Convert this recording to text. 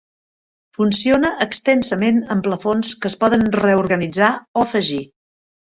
Funciona extensament amb "plafons", que es poden reorganitzar o afegir.